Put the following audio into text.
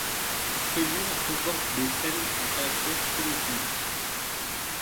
Ce livre comporte des scènes à caractère pédophile.